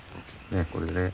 これでね。